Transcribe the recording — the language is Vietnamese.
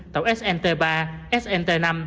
tàu snt ba snt năm xuất phát từ nha trang ngày ba tháng chín